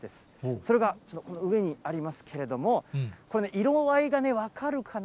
それが上にありますけれども、これね、色合いが分かるかな？